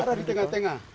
ada di tengah tengah